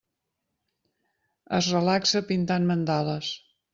Es relaxa pintant mandales.